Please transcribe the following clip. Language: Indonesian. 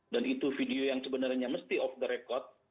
dan itu video yang sebenarnya mesti off the record